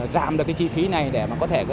giảm được cái chi phí này để mà có thể